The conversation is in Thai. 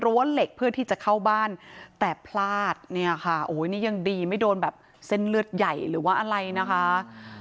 เหล็กเพื่อที่จะเข้าบ้านแต่พลาดเนี่ยค่ะโอ้ยนี่ยังดีไม่โดนแบบเส้นเลือดใหญ่หรือว่าอะไรนะคะ